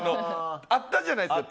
あったじゃないですか